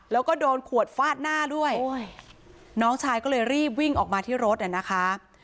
แล้วก็โดนขวดฟาดหน้าด้วยน้องชายก็เลยรีบวิ่งออกมาที่รถน่ะนะคะ